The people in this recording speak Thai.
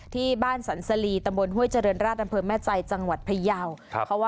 ที่บ้านสรรสลีตำบลห้วยเจริญราชอำเภอแม่ใจจังหวัดพยาว